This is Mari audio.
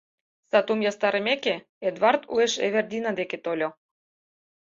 Сатум ястарымеке, Эдвард уэш Эвердина деке тольо.